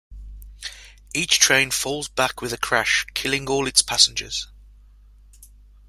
Each train falls back with a crash, killing all its passengers.